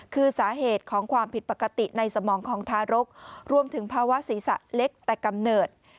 คือสาเหตุของความผิดปกติในสมองของทารกรวมถึงภาวะศีรษะเล็กแต่กำเนิด